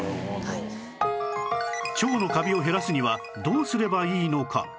腸のカビを減らすにはどうすればいいのか？